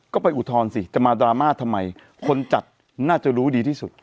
ก็ไปอุทธรณ์สิจะมาดราม่าทำไมคนจัดน่าจะรู้ดีที่สุด